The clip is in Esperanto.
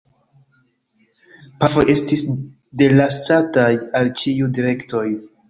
Pafoj estis delasataj al ĉiuj direktoj.